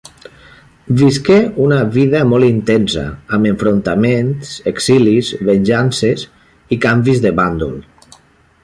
Visqué una vida molt intensa, amb enfrontaments, exilis, venjances i canvis de bàndol.